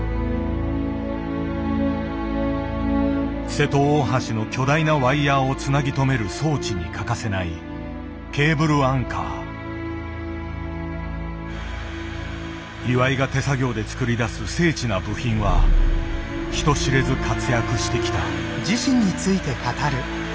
瀬戸大橋の巨大なワイヤーをつなぎ止める装置に欠かせない岩井が手作業で作り出す精緻な部品は人知れず活躍してきた。